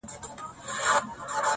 د پښتو اشعار يې دُر لعل و مرجان کړه,